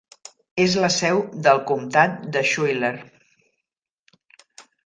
És la seu del comtat de Schuyler.